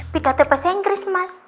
bidat bahasa inggris mas